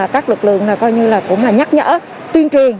các lực lượng coi như là cũng là nhắc nhở tuyên truyền